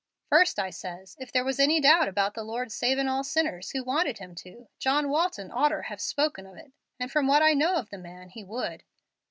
First I says, if there was any doubt about the Lord savin' all sinners who wanted Him to, John Walton orter have spoken of it, and from what I know of the man he would.